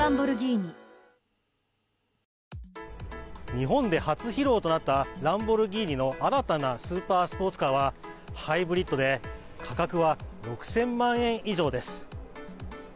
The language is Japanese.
日本で初披露となったランボルギーニの新たなスーパースポーツカーはハイブリッドで価格は６０００万円以上です。